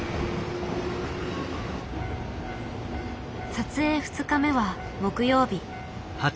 撮影２日目は木曜日。